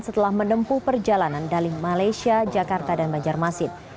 setelah menempuh perjalanan dari malaysia jakarta dan banjarmasin